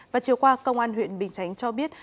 và chiều qua công an huyện bình chánh cho biết